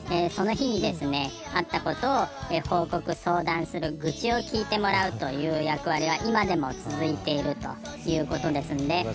その日にあったことを報告相談する愚痴を聞いてもらうという役割は今でも続いているということですんで。